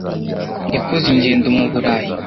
Yakoze ingendo mu Burayi.